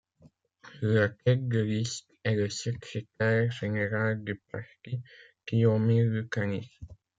La tête de liste est le secrétaire général du parti, Tihomir Lukanić.